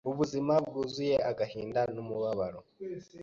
ubuzima bwuzuye agahinda n’umubabaro